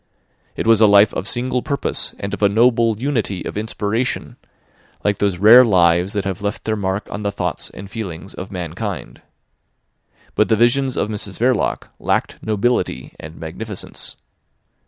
It was a life of single purpose and of a noble unity of inspiration, like those rare lives that have left their mark on the thoughts and feelings of mankind. But the visions of Mrs Verloc lacked nobility and magnificence.